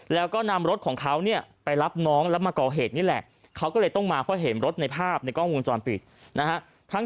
แล้วก็นำรถของเขาเนี่ยไปรับน้องแล้วมาก่อเหตุนี่แหละเขาก็เลยต้องมาเพราะเห็นรถในภาพในกล้องวงจรปิดนะฮะ